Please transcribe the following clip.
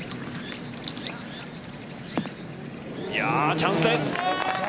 チャンスです。